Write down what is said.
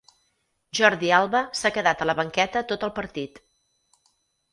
Jordi Alba s'ha quedat a la banqueta tot el partit.